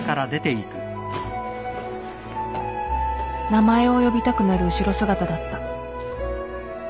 名前を呼びたくなる後ろ姿だった